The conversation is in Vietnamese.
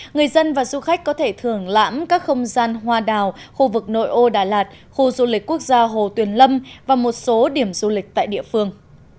người dân và du khách có thể thưởng lãm các không gian hoa đào khu vực nội ô đà lạt khu du lịch quốc gia hồ tuyền lâm và một số điểm du lịch tại địa phương